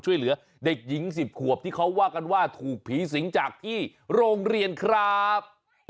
ช่วยเหลือเด็กหญิง๑๐ขวบที่เขาว่ากันว่าถูกผีสิงจากที่โรงเรียนครับ